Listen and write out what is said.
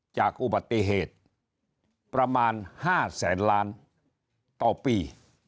จากอุบัติเหตุประมาณ๕แสนล้านต่อปี